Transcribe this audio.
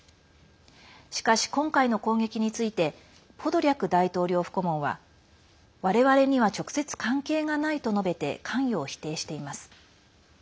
しかし、今回の攻撃についてポドリャク大統領府顧問は我々には直接関係がないと述べて関与を否定しています。